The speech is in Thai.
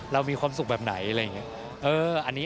เรามีความสุขแบบไหนอะไรอย่างนี้